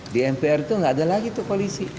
di mpr itu gak ada lagi tuh koalisi